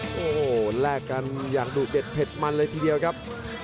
โอ้โหแลกกันอย่างดุเด็ดเผ็ดมันเลยทีเดียวครับ